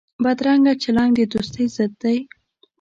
بدرنګه چلند د دوستۍ ضد دی